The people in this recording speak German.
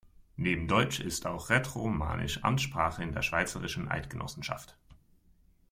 Neben Deutsch ist auch Rätoromanisch Amtssprache in der Schweizerischen Eidgenossenschaft.